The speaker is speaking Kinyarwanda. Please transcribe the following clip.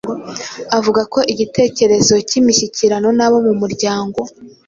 Avuga ko igitekerezo cy’imishyikirano n’abo mu muryango